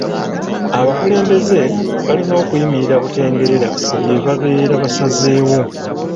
Abakulembeze balina okuyimirira butengerera ku bye babeera basazeewo.